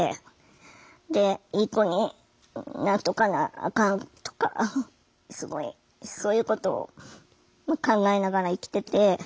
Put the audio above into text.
いい子になっとかなあかんとかすごいそういうことを考えながら生きてて。